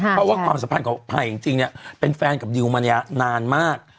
เพราะว่าความสัมพันธ์ของภัยจริงเป็นแฟนกับดิวมานานมาก